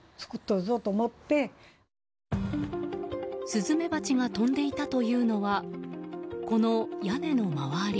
スズメバチが飛んでいたというのはこの屋根の周り。